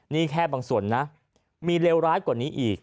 นี่แค่บางส่วนนะมีเลวร้ายกว่านี้อีก